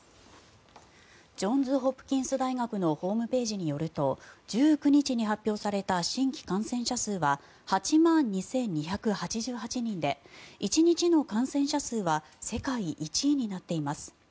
ジョンズ・ホプキンス大学のホームページによると１９日に発表された新規感染者数は８万２２８８人で１日の感染者数は世界１位になっています。